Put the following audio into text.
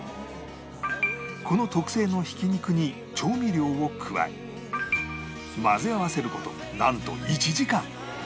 この特製のひき肉に調味料を加え混ぜ合わせる事なんと１時間